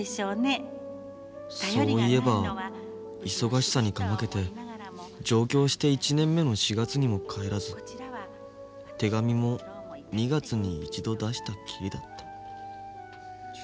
そういえば忙しさにかまけて上京して１年目の４月にも帰らず手紙も２月に一度出したきりだった茂。